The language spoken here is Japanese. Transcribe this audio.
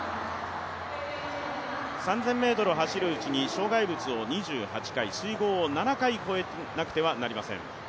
３０００ｍを走るうちに障害物を２８回、水濠を７回越えていかなくてはなりません。